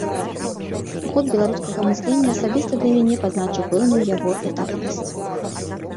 Год беларускага мыслення асабіста для мяне пазначыў пэўную яго этапнасць.